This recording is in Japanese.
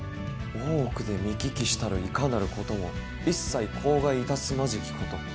大奥で見聞きしたるいかなることも一切口外いたすまじきこと。